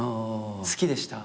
好きでした？